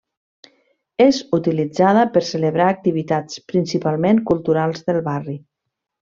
És utilitzada per celebrar activitats principalment culturals del barri.